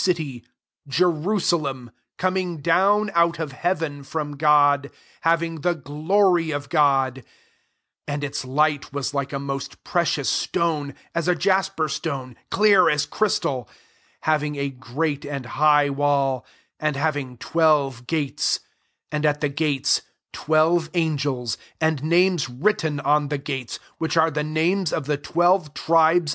415 showed me the holf city Je rusalem, coming down out of heaven from God, 11 having the ^ory of Grod : and its light wua like a most precious scone, as a jasper stone, clear as crystal: 12 having a great and high wall; and having twelve gates, and at the gates twelve angels, and names writ ten on thegatea^ which are the names of the twelve tribes